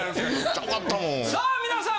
さあ皆さん！